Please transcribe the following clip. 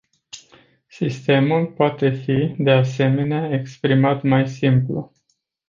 Sistemul poate fi, de asemenea, exprimat mai simplu.